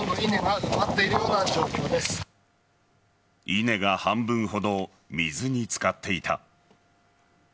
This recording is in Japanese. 稲が半分ほど水に漬かっていた。